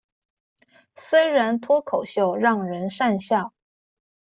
雖然脫口秀讓人訕笑